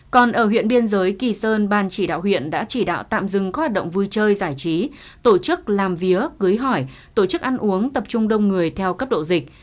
còn ở huyện biên giới kỳ sơn ban chỉ đạo huyện đã chỉ đạo tạm dừng các hoạt động vui chơi giải trí tổ chức làm vía cưới hỏi tổ chức ăn uống tập trung đông người theo cấp độ dịch